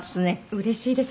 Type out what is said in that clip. うれしいです。